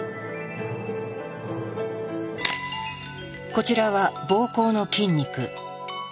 こちらは膀胱の筋肉。